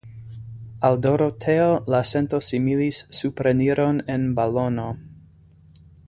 Al Doroteo la sento similis supreniron en balono.